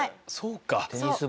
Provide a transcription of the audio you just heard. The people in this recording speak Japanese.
そうか。